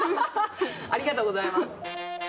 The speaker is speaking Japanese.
ありがとうございます。